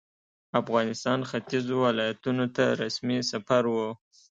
افغانستان ختیځو ولایتونو ته رسمي سفر وو.